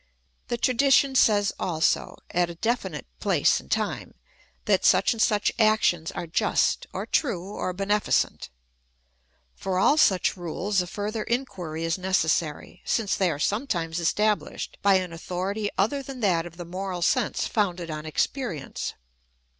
The tradition says also, at a definite place and time, that such and such actions are just, or true, or benefi cent. Por all such rules a further inquiry is necessary, since they are sometimes estabhshed by an authority other than that of the moral sense founded on experience.